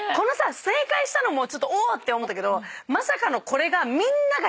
正解したのもお！って思ったけどまさかのこれが。